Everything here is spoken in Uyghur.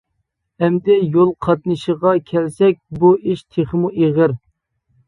ئەمدى يول قاتنىشىغا كەلسەك بۇ ئىش تېخىمۇ ئېغىر.